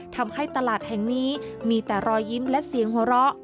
ทำให้ตลาดแห่งนี้มีแต่รอยยิ้มและเสียงหัวเราะ